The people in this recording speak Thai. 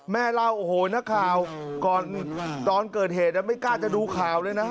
เล่าโอ้โหนักข่าวก่อนตอนเกิดเหตุไม่กล้าจะดูข่าวเลยนะ